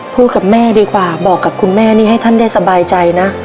กับแม่ดีกว่าบอกกับคุณแม่นี่ให้ท่านได้สบายใจนะ